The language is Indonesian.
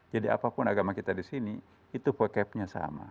jadi apapun agama kita di sini itu vocabnya sama